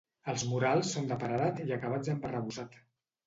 Els murals són de paredat i acabats amb arrebossat.